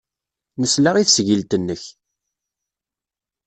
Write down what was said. Nesla i tesgilt-nnek.